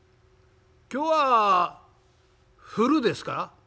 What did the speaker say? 「今日は降るですか？」。